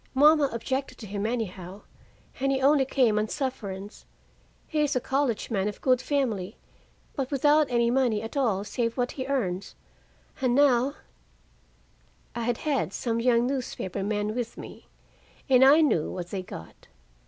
Mama objected to him, anyhow, and he only came on sufferance. He is a college man of good family, but without any money at all save what he earns.. And now " I had had some young newspaper men with me, and I knew what they got.